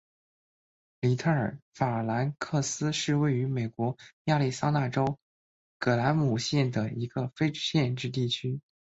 里特尔法兰克斯是位于美国亚利桑那州葛兰姆县的一个非建制地区。